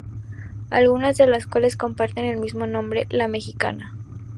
Algunas de las cuales comparten el mismo nombre, La Mexicana.